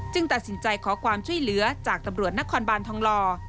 ตัดสินใจขอความช่วยเหลือจากตำรวจนครบานทองลอ